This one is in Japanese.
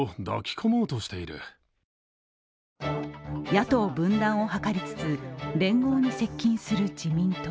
野党分断を図りつつ、連合に接近する自民党。